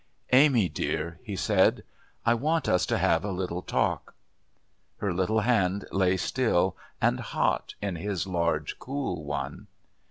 "Amy, dear," he said, "I want us to have a little talk." Her little hand lay still and hot in his large cool one.